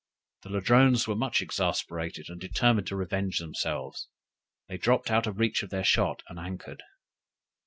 The Ladrones were much exasperated, and determined to revenge themselves; they dropped out of reach of their shot, and anchored.